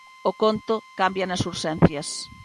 O conto cambia nas Urxencias.